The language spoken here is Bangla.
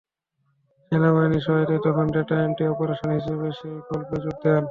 সেনাবহিনীর সহায়তায় তখন ডেটা এন্ট্রি অপারেটর হিসেবে সেই প্রকল্পে যোগ দেন।